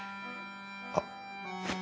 あっ。